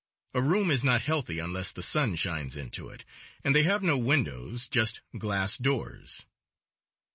A room is not healthy unless the sun shines into it; and they have no windows just glass doors.